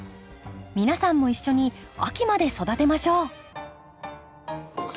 皆さんも一緒に秋まで育てましょう。